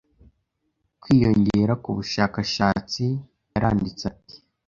kwiyongera k’ubushakashatsi. Yaranditse ati: